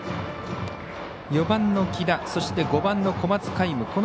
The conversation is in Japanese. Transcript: ４番の来田、５番の小松海夢